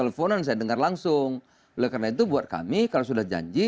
pertanyaan mana tadi